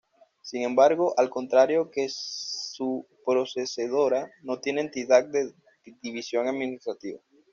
Sin embargo, al contrario que su predecesora, no tiene entidad de división administrativa.